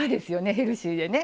ヘルシーでね。